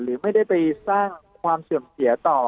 หรือไม่ได้ไปสร้างความเสื่อมเสียต่อ